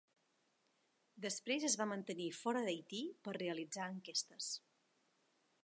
Després es va mantenir fora d'Haití per realitzar enquestes.